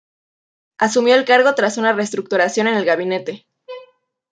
Asumió el cargo tras una reestructuración en el gabinete.